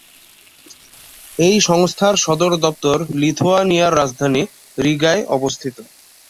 এই সংস্থার সদর দপ্তর লিথুয়ানিয়ার রাজধানী রিগায় অবস্থিত।